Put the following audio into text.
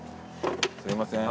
すいません。